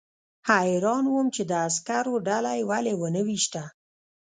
حیران وم چې د عسکرو ډله یې ولې ونه ویشته